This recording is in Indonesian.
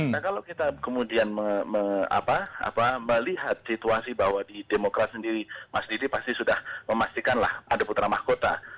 nah kalau kita kemudian melihat situasi bahwa di demokrat sendiri mas didi pasti sudah memastikan lah ada putra mahkota